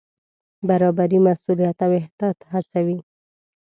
برابري مسوولیت او احتیاط هڅوي.